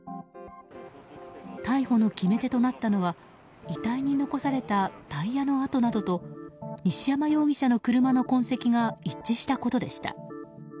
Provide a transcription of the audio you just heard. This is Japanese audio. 逮捕の決め手となったのは遺体に残されたタイヤの跡などと西山容疑者の車の痕跡が一致したことでした。